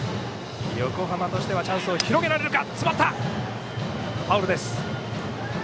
横浜としてはチャンスを広げられるか。